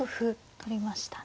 取りましたね。